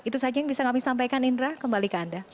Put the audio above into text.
itu saja yang bisa kami sampaikan indra kembali ke anda